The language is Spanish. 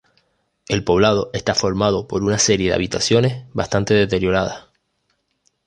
El poblado está formado por una serie de habitaciones bastante deterioradas.